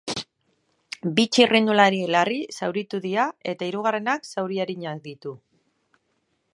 Bi txirrindulari larri zauritu dira eta hirugarrenak zauri arinak ditu.